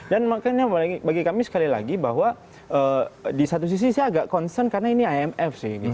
makanya bagi kami sekali lagi bahwa di satu sisi saya agak concern karena ini imf sih